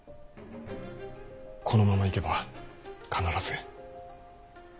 このままいけば必ず。